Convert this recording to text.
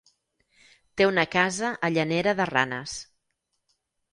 Té una casa a Llanera de Ranes.